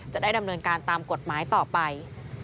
จะได้ดำเนินการตามกฎหมายต่อไป